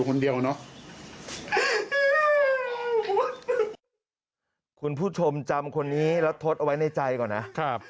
คุณผู้ชมจำคนนี้แล้วทดเอาไว้ในใจก่อนนะครับ